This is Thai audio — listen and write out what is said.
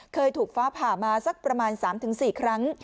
เคยถูกฟ้าผ่ามาสักประมาณ๓๔ครั้ง